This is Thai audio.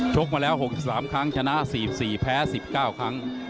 กมาแล้ว๖๓ครั้งชนะ๔๔แพ้๑๙ครั้ง